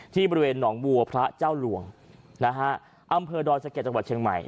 ที่บริเวณหนองบัวพระเจ้าหลวงนะฮะอำเภอดอยสะเก็ดจังหวัดเชียงใหม่